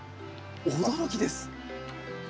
驚きです。